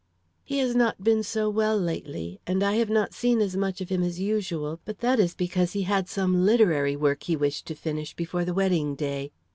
"He has not been so well lately, and I have not seen as much of him as usual; but that is because he had some literary work he wished to finish before the wedding day.